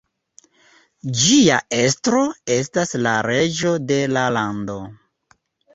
Ĝia estro estas la reĝo de la lando.